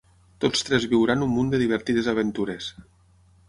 Tots tres viuran un munt de divertides aventures.